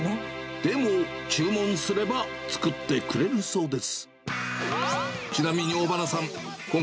でも、注文すれば作ってくれるそうです。